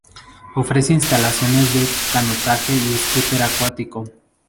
Ofrece instalaciones de canotaje y scooter acuático.